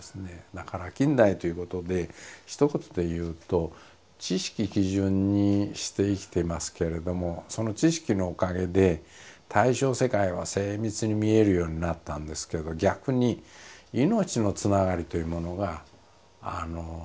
だから近代ということでひと言でいうと知識基準にして生きてますけれどもその知識のおかげで対象世界は精密に見えるようになったんですけど逆に命のつながりというものが見えなくなったんじゃないか。